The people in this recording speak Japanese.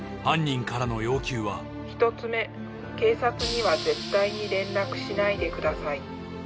犯人からの要求は１つ目警察には絶対に連絡しないでください